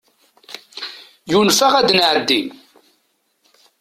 Yunef-aɣ ad nɛeddi.